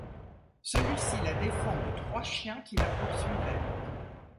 Celui-ci la défend de trois chiens qui la poursuivaient.